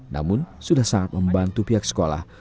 namun sudah sangat membantu pihak sekolah